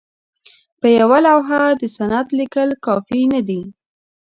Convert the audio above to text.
په یوه لوحه د سند لیکل کافي نه دي.